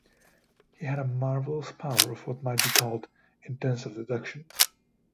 He had a marvellous power of what might be called intensive deduction'.